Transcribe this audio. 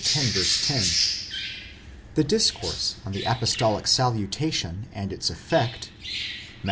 10); the discourse on the apostolic salutation and its effect (Matt.